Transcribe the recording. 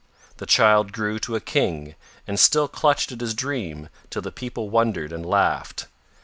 The child grew to a King and still clutched at his dream till the people wondered and laughed.